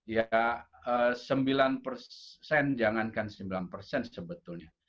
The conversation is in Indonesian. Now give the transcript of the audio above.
ya sembilan persen jangankan sembilan persen sebetulnya